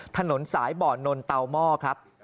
ถนนสายบ่อนนเตาหม้อครับ